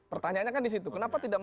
pertanyaannya kan di situ kenapa tidak